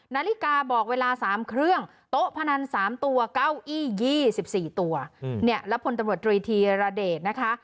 นาฬิกาบอกเวลา๓เครื่องโต๊ะพนัน๓ตัวเก้าอี้๒๔ตัวเนี่ยแล้วพลตำรวจตรีธีรเดชนะคะ